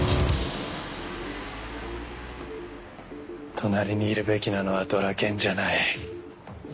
隣にいるべきなのはドラケンじゃない。